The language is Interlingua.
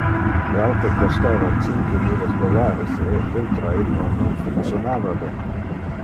Le auto costava cinque milles dollares e, ultra illo, non functionava ben.